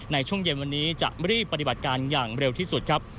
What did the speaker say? ในช่วงเย็นวันนี้จะรีบปฏิบัติการอย่างเร็วที่สุดครับ